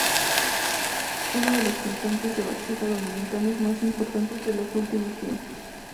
Uno de los cantantes de bachata dominicanos más importante de los últimos tiempos.